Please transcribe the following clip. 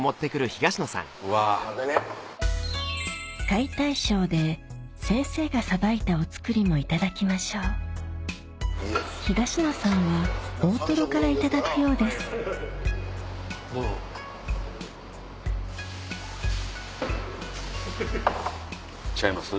解体ショーで先生がさばいたお造りもいただきましょう東野さんは大トロからいただくようです違います？